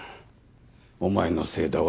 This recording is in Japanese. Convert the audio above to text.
お前のせいだ